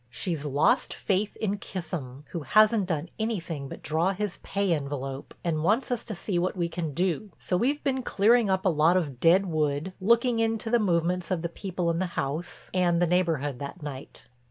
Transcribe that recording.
She's lost faith in Kissam, who hasn't done anything but draw his pay envelope and wants us to see what we can do. So we've been clearing up a lot of dead wood, looking into the movements of the people in the house and the neighborhood that night."